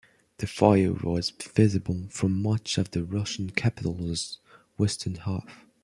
The fire was visible from much of the Russian capital's western half.